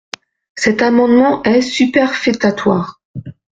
Cet amendement est superfétatoire.